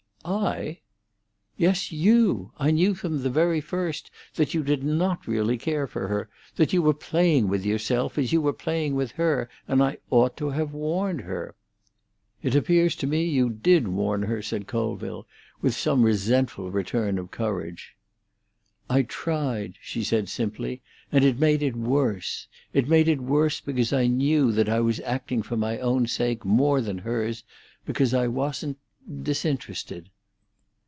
"I?" "Yes, you! I knew from the very first that you did not really care for her, that you were playing with yourself, as you were playing with her, and I ought to have warned her." "It appears to me you did warn her," said Colville, with some resentful return of courage. "I tried," she said simply, "and it made it worse. It made it worse because I knew that I was acting for my own sake more than hers, because I wasn't—disinterested."